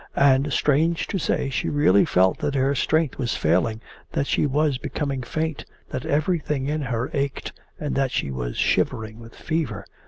And strange to say she really felt that her strength was failing, that she was becoming faint, that everything in her ached, and that she was shivering with fever.